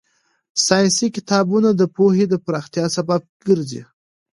ساينسي کتابونه د پوهې د پراختیا سبب ګرځي.